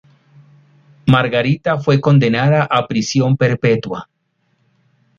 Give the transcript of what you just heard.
Margarita fue condenada a prisión perpetua.